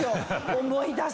思い出す。